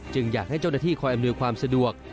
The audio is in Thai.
อยากให้เจ้าหน้าที่คอยอำนวยความสะดวก